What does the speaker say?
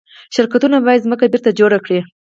شرکتونه باید ځمکه بیرته جوړه کړي.